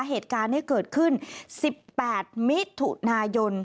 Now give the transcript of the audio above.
เหตุการณ์นี้เกิดขึ้น๑๘มิถุนายน